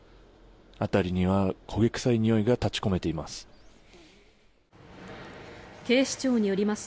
辺りには焦げ臭いにおいが立ち込めています。